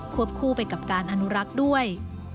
คู่ไปกับการอนุรักษ์ด้วย